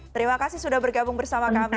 terima kasih sudah bergabung bersama kami